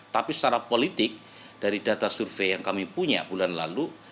tapi secara politik dari data survei yang kami punya bulan lalu